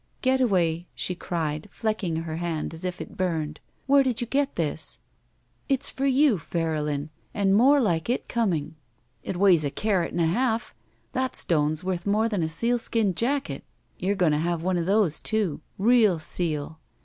''Getaway/' she cried, flecking her hand as if it burned, "where did you get this?" '*It's for you, Fairylin, and more like it coming. It weighs a carat and a half. That stone's worth more than a sealskin jacket. You're going to have one of those, too. Real seal!